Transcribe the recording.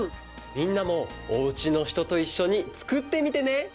みんなもおうちのひとといっしょにつくってみてね！